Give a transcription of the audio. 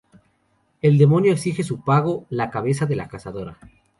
El demonio exige su pago: la cabeza de la Cazadora.